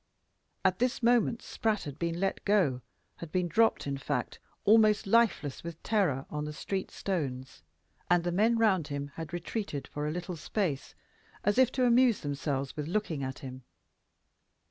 At this moment Spratt had been let go had been dropped, in fact, almost lifeless with terror, on the street stones, and the men round him had retreated for a little space, as if to amuse themselves with looking at him.